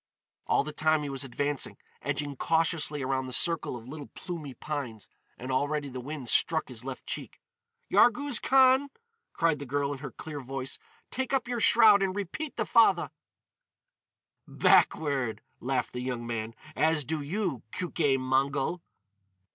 All the time he was advancing, edging cautiously around the circle of little plumy pines; and already the wind struck his left cheek. "Yarghouz Khan!" cried the girl in her clear voice. "Take up your shroud and repeat the fatha!" "Backward!" laughed the young man, "—as do you, Keuke Mongol!"